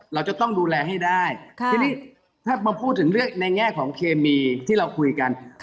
เราจะต้องดูแลให้ได้ทีนี้ถ้ามาพูดถึงในแง่ของเคมีที่เราคุยกัน